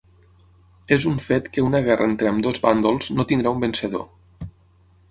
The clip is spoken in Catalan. És un fet que una guerra entre ambdós bàndols no tindrà un vencedor.